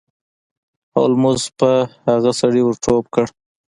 هولمز په هغه سړي ور ټوپ کړ.